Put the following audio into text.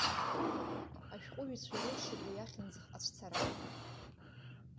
Ашәҟәыҩҩцәа ирылшеит уи ахьымӡӷ ацәцара.